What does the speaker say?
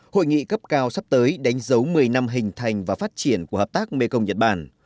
hội nghị cấp cao sắp tới đánh dấu một mươi năm hình thành và phát triển của hợp tác mekong nhật bản